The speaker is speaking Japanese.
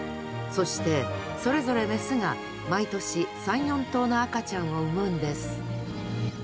そしてそれぞれメスが毎年３４頭の赤ちゃんを産むんです